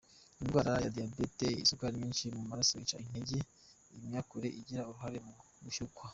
Indwara ya diyabete : Isukari nyinshi mu maraso ica intege imyakura igira uruhare mu gushyukwa.